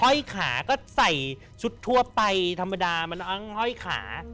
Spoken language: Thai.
ห้อยขาก็ใส่ชุดทั่วไปธรรมดามานั่งห้อยขา